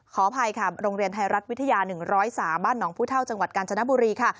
ขออภัยค่ะโรงเรียนไทยรัฐวิทยา๑๐๓บ้านหนองผู้เท่าจังหวัดกาญจนบุรีค่ะ